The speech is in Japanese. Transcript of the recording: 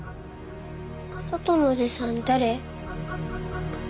外のおじさん誰？